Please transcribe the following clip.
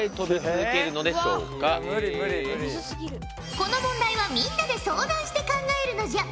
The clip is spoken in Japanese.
この問題はみんなで相談して考えるのじゃ。